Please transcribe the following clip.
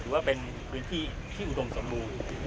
ฉะนั้นถือว่าที่อุดมสมบูรณ์